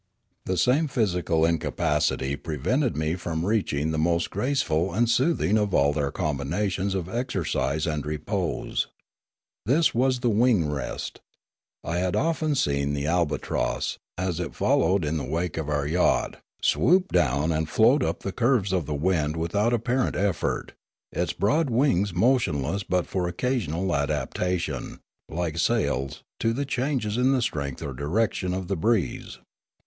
The same physical incapacity prevented me from reaching the most graceful and soothing of all their combinations of exercise and repose. This was the wing rest. I had often seen the albatross, as it followed in the wake of our yacht, swoop down and float up the curves of the wind without apparent effort, its broad wings motionless but for occasional adaptation, like sails, to the changes in the strength or direction of the breeze.